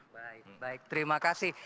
baik baik terima kasih